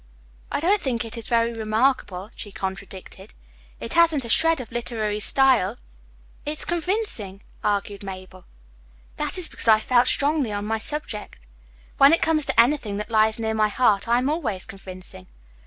"I don't think it is very remarkable," she contradicted. "It hasn't a shred of literary style." "It's convincing," argued Mabel. "That is because I felt strongly on my subject. When it comes to anything that lies near my heart I am always convincing.